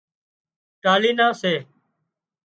ٽالهي نان سي